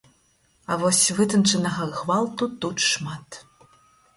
А вось вытанчанага гвалту тут шмат.